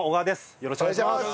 よろしくお願いします。